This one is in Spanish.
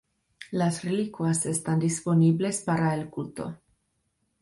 Las reliquias están disponibles para el culto.